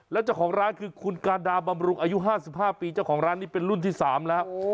แล้วเจ้าของร้านคือคุณการดาบำรุงอายุ๕๕ปีเจ้าของร้านนี้เป็นรุ่นที่๓แล้ว